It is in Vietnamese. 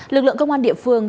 lực lượng công an địa phương